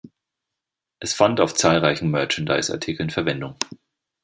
Es fand auf zahlreichen Merchandise-Artikeln Verwendung.